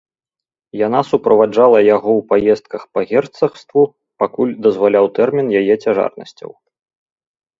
Яна суправаджала яго ў паездках па герцагству, пакуль дазваляў тэрмін яе цяжарнасцяў.